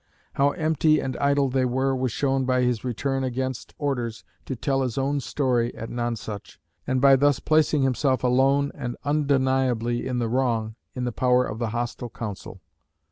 How empty and idle they were was shown by his return against orders to tell his own story at Nonsuch, and by thus placing himself alone and undeniably in the wrong, in the power of the hostile Council.